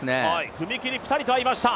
踏み切り、ピタリと合いました。